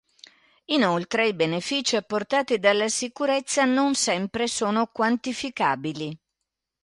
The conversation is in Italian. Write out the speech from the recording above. Inoltre, i benefici apportati dalla sicurezza non sempre sono quantificabili.